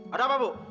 ada apa bu